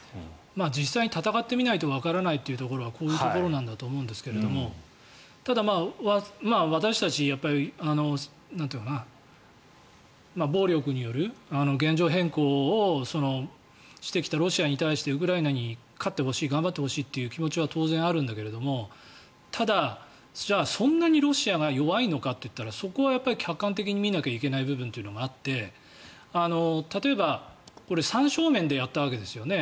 実際に戦ってみないとわからないというところはこういうところなんだと思うんですがただ、私たち暴力による現状変更をしてきたロシアに対してウクライナに勝ってほしい頑張ってほしいという気持ちは当然あるんだけれどもただ、じゃあそんなにロシアが弱いのかといったらそこは客観的に見なきゃいけない部分があって例えば三正面でやったわけですよね。